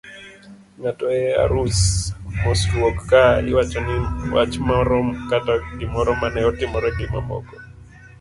ng'ato e arus, mosruok, ka iwachoni wach moro kata gimoro mane otimore gimamoko